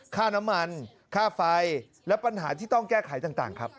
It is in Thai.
ค่าน้ำมันค่าไฟและปัญหาที่ต้องแก้ไขต่างครับ